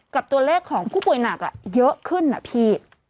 กับตัวเลขของผู้ป่วยหนักเยอะขึ้นนะพี่